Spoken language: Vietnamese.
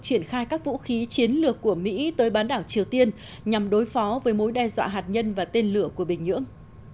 triển khai các vũ khí chiến lược của mỹ tới bán đảo triều tiên nhằm đối phó với mối đe dọa hạt nhân và tên lửa của bình nhưỡng